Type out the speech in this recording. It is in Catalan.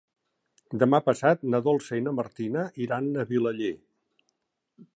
Demà passat na Dolça i na Martina iran a Vilaller.